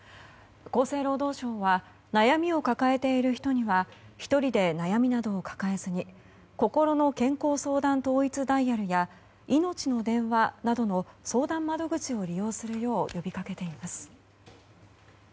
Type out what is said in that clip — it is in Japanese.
厚生労働省は悩みを抱えている人には１人で悩みなどを抱えずにこころの健康相談統一ダイヤルやいのちの電話などの相談窓口を利用するよう呼びかけています。